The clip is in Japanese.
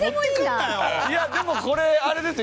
いやでもこれあれですよ。